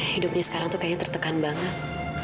hidupnya sekarang tuh kayaknya tertekan banget